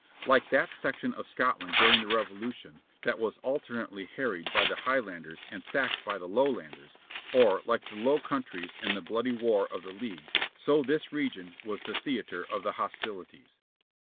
Like that section of Scotland during the revolution, that was alternately harried by the Highlanders and sacked by the Low landers, or like the low countries in the bloody war of the League, so this region was the theater of the hostilities.